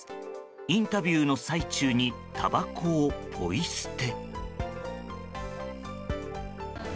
インタビューの最中にたばこをポイ捨て。